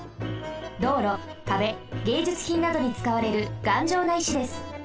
どうろかべげいじゅつひんなどにつかわれるがんじょうな石です。